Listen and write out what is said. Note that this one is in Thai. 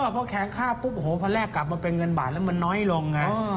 พอแข็งค่าปุ๊บโอ้โหพอแลกกลับมาเป็นเงินบาทแล้วมันน้อยลงไง